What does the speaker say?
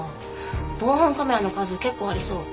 防犯カメラの数結構ありそう。